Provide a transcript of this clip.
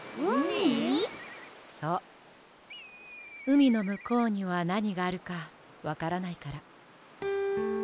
うみのむこうにはなにがあるかわからないから。